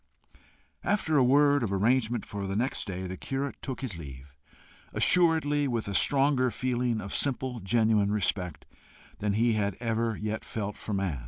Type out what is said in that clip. After a word of arrangement for next day the curate took his leave, assuredly with a stronger feeling of simple genuine respect than he had ever yet felt for man.